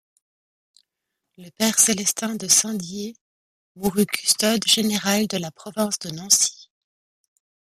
Le père Célestin de Saint-Dié mourut custode général de la province de Nancy.